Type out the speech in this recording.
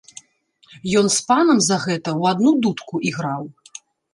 Ён з панам за гэта ў адну дудку іграў.